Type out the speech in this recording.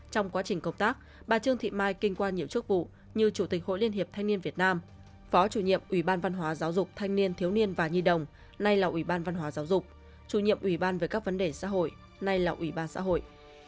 trong quá trình công tác bà trương thị mai kinh qua nhiều chức vụ như chủ tịch hội liên hiệp thanh niên việt nam phó chủ nhiệm ủy ban văn hóa giáo dục thanh niên thiếu niên và nhi đồng nay là ủy ban văn hóa giáo dục chủ nhiệm ủy ban về các vấn đề xã hội nay là ủy ban xã hội